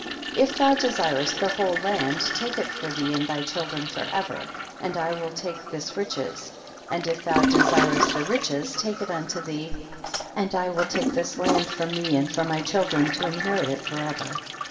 19. If thou desirest the whole land take it for thee and thy children for ever, and I will take tiiis riches, and if thou desirest the riches take it unto thee, and I will take this land for me and for my children to inherit it for ever.